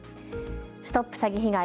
ＳＴＯＰ詐欺被害！